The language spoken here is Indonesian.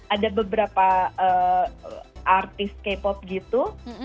ada beberapa artis k pop gitu